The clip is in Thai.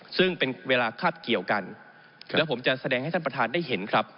ซึ่งเป็นเวลาคาบเกี่ยวกันและผมจะแสดงให้ท่านประธานได้เห็นครับ